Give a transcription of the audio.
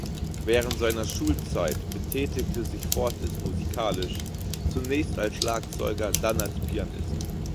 Während seiner Schulzeit betätigte sich Fortis musikalisch, zunächst als Schlagzeuger, dann als Pianist.